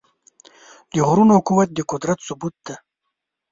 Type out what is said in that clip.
د غرونو قوت د قدرت ثبوت دی.